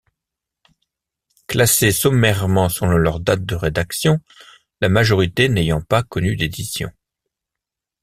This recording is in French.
Classées sommairement selon leur date de rédaction, la majorité n'ayant pas connu d'éditions.